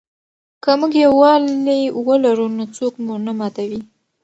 که موږ یووالي ولرو نو څوک مو نه ماتوي.